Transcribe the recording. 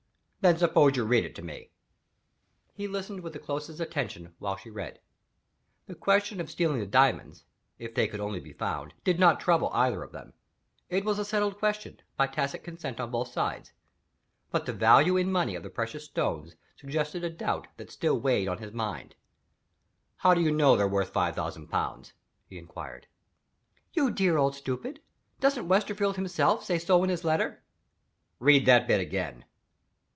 "Then suppose you read it to me." He listened with the closest attention while she read. The question of stealing the diamonds (if they could only be found) did not trouble either of them. It was a settled question, by tacit consent on both sides. But the value in money of the precious stones suggested a doubt that still weighed on his mind. "How do you know they're worth five thousand pounds?" he inquired. "You dear old stupid! Doesn't Westerfield himself say so in his letter?" "Read that bit again."